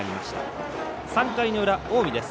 ３回の裏、近江です。